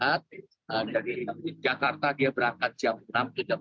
dari jakarta dia berangkat jam enam ke jam tujuh